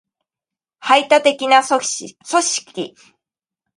排他的な組織